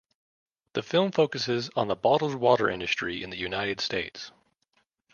The film focuses on the bottled water industry in the United States.